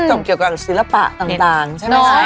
ก็จบเกี่ยวกับศิลปะต่างใช่ไหม